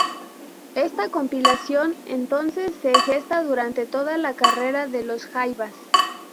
Esta compilación, entonces, se gesta durante toda la carrera de Los Jaivas.